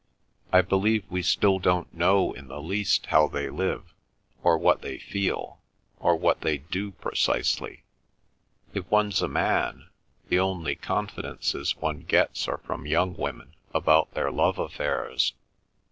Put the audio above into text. I believe we still don't know in the least how they live, or what they feel, or what they do precisely. If one's a man, the only confidences one gets are from young women about their love affairs.